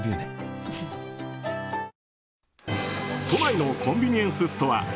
都内のコンビニエンスストア